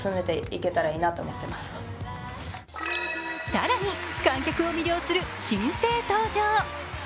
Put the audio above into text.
更に、観客を魅了する新星登場。